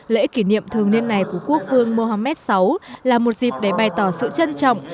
lễ kỷ niệm thường niên này của quốc vương mohammed sáu là một dịp để bày tỏ sự trân trọng